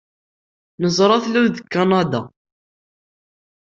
Neẓra tlul deg Kanada.